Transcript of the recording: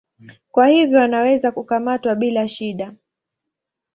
Kwa hivyo wanaweza kukamatwa bila shida.